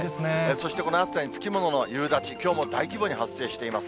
そしてこの暑さに付きものの夕立、きょうも大規模に発生しています。